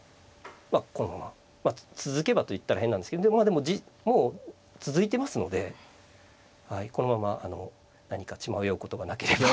まあこのまま続けばと言ったら変なんですけどでもまあもう続いてますのではいこのままあの何か血迷うことがなければ。